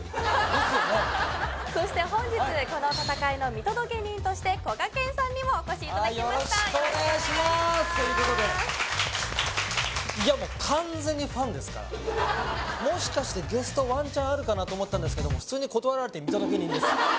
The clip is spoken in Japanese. そして本日この戦いの見届け人としてこがけんさんにもお越しいただきましたよろしくお願いしますということでいやもう完全にファンですからもしかしてゲストワンチャンあるかなと思ったんですけどもです